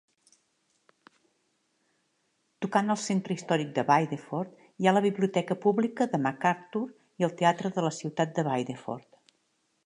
Tocant al centre històric de Biddeford hi ha la Biblioteca Pública de McArthur i el Teatre de la Ciutat de Biddeford.